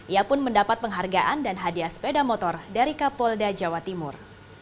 ia pun mendapat penghargaan dan hadiah sepeda motor dari kapolda jawa timur